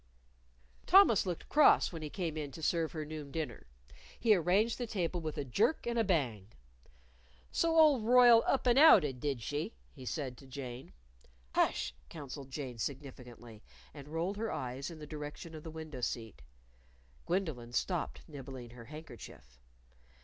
Thomas looked cross when he came in to serve her noon dinner. He arranged the table with a jerk and a bang. "So old Royle up and outed, did she?" he said to Jane. "Hush!" counseled Jane, significantly, and rolled her eyes in the direction of the window seat. Gwendolyn stopped nibbling her handkerchief.